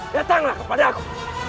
datanglah kepada aku